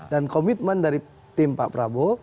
dan komitmen dari tim pak prabowo